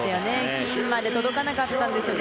金まで届かなかったんですよね。